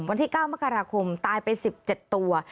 วันที่๙มกราคมตายไป๑๗ตัว